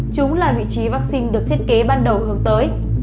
chúng là vị trí vaccine được thiết kế ban đầu hướng tới